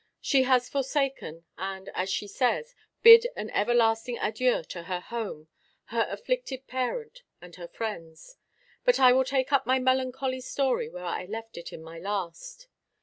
She has forsaken, and, as she says, bid an everlasting adieu to her home, her afflicted parent, and her friends. But I will take up my melancholy story where I left it in my last.